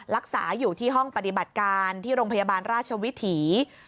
รักษาอยู่ที่ห้องปฏิบัติการที่โรงพยาบาลราชวิถี